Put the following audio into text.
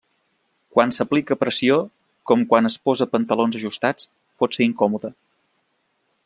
Quan s'aplica pressió, com quan es posa pantalons ajustats, pot ser incòmode.